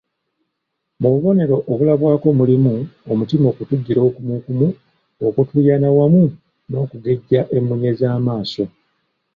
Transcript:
Mu bubonero obulabwako mulimu omutima okutujjira okumukumu, okutuuyana wamu n'okugejja emmunye z'amaaso